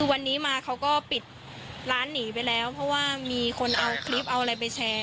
วันนี้มาเขาก็ปิดร้านหนีไปแล้วเพราะว่ามีคนเอาคลิปเอาอะไรไปแชร์